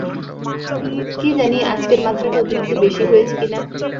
কী জানি আজকের মাত্রাটা অতিরিক্ত বেশি হয়েছে কি না।